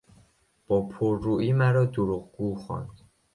با پر رویی مرا دروغگو خواند.